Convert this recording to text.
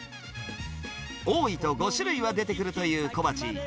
多いと５種類は出てくるという小鉢。